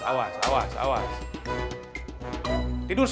aku mau tidur